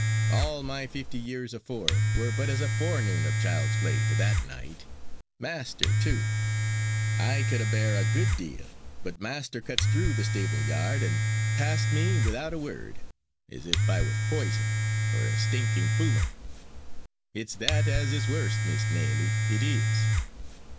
All my fifty years afore were but as a forenoon of child's play to that night. Measter, too I could a bear a good deal, but measter cuts through the stable yard, and past me, wi'out a word, as if I was poison, or a stinking foumart. It's that as is worst, Miss Nelly, it is."